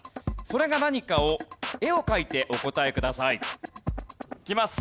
それが何かを絵を描いてお答えください。いきます。